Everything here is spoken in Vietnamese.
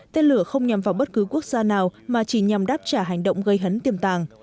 tên lửa không nhằm vào bất cứ quốc gia nào mà chỉ nhằm đáp trả hành động gây hấn tiềm tàng